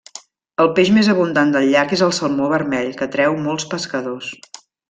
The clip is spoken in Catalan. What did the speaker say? El peix més abundant del llac és el salmó vermell, que atreu molts pescadors.